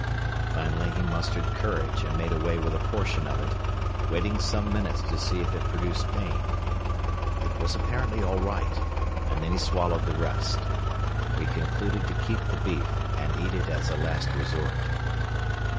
Finally he mustered courage and made away with a portion of it, waiting some minutes to see if it produced pain. It was apparently all right, and then he swallowed the rest. We concluded to keep the beef and eat it as a last resort.